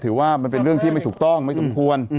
ว่ามันเป็นเรื่องที่ไม่ถูกต้องไม่สมควร